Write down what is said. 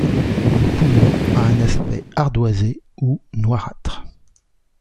Le poumon a un aspect ardoisé ou noirâtre.